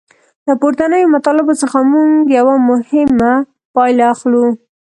له پورتنیو مطالبو څخه موږ یوه مهمه پایله اخلو.